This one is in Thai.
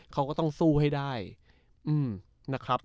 เขาก็ต้องสู้ให้ได้นะครับ